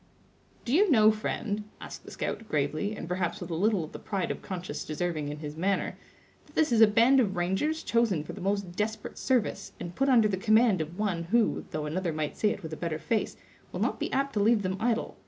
"Do you know, friend," asked the scout, gravely, and perhaps with a little of the pride of conscious deserving in his manner, "that this is a band of rangers chosen for the most desperate service, and put under the command of one who, though another might say it with a better face, will not be apt to leave them idle.